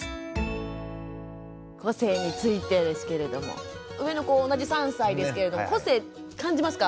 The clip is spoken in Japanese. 個性についてですけれども上の子同じ３歳ですけれども個性感じますか？